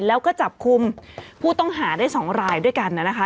แล้วก็จับคุมผู้ต้องหาได้๒รายด้วยกันนะคะ